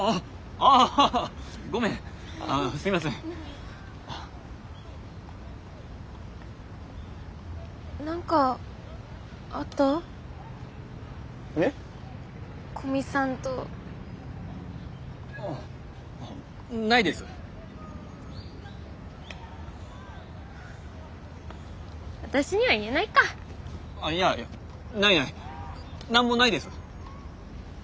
あっいやないない何もないです。